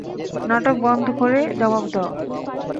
নাটক বন্ধ করে, জবাব দাও।